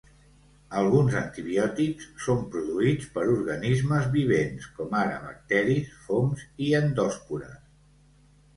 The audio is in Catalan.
Alguns antibiòtics són produïts per organismes vivents, com ara bacteris, fongs, i endòspores.